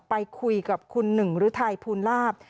ไปคุยกับคุณหนึ่งฤทัยภูลาภ